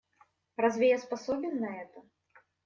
Разве я способен на это?